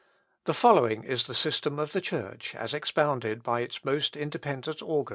The following is the system of the Church, as expounded by its most independent organs.